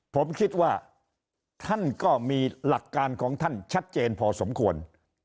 ผมคิดว่าท่านก็มีหลักการของท่านชัดเจนพอสมควร